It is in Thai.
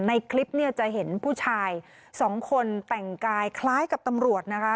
ในคลิปเนี่ยจะเห็นผู้ชายสองคนแต่งกายคล้ายกับตำรวจนะคะ